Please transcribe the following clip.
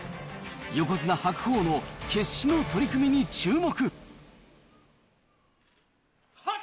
横綱・白鵬の決死の取組に注目。